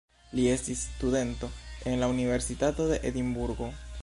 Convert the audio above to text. Li estis studento en la universitato de Edinburgo.